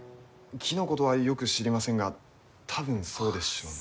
木のことはよく知りませんが多分そうでしょうね。